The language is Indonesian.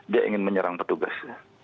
dia ingin menyerang petugas